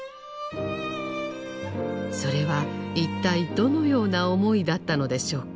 それは一体どのような思いだったのでしょうか。